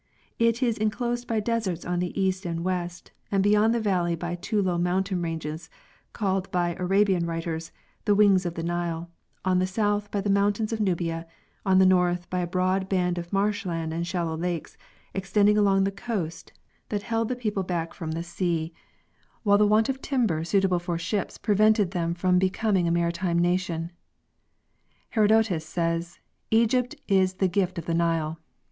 It is in closed by deserts on the east and west, and beyond the valley by two low mountain ranges called by Arabian writers "The Wings of the Nile," on the south by the mountains of Nubia, on the north by a broad band of marsh land and shallow lakes extending along the coast that held the people back from the The changeless People of the Nile. 'er sea, while the want of timber suitable for ships prevented them from becoming a maritime nation. Herodotus says, " Egypt is the gift of the Nile."